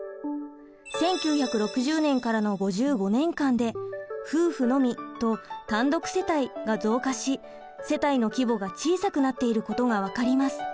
１９６０年からの５５年間で夫婦のみと単独世帯が増加し世帯の規模が小さくなっていることが分かります。